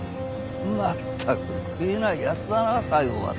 まったく食えない奴だな最後まで。